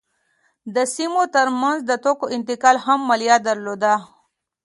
د سیمو ترمنځ د توکو انتقال هم مالیه درلوده.